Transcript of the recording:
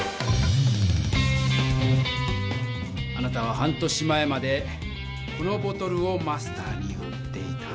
あなたは半年前までこのボトルをマスターに売っていた。